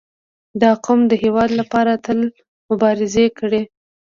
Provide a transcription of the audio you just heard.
• دا قوم د هېواد لپاره تل مبارزه کړې.